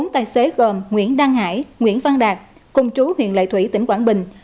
bốn tài xế gồm nguyễn đăng hải nguyễn văn đạt cùng chú huyện lệ thủy tỉnh quảng bình